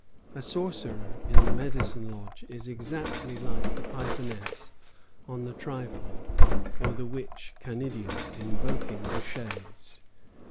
A sorcerer in the medicine lodge is exactly like the Pythoness on the tripod or the witch Canidia invoking the shades."